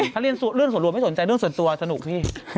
ถ้าเรื่องส่วนรวมไม่สนใจเรื่องส่วนตัวสนุกพี่